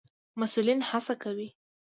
مسئولين هڅه کوي